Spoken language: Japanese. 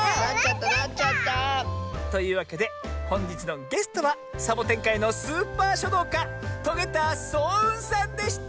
なっちゃった！というわけでほんじつのゲストはサボテンかいのスーパーしょどうかトゲたそううんさんでした！